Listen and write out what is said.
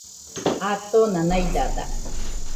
Atona naidada